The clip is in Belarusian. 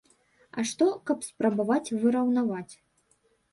А што, каб спрабаваць выраўнаваць.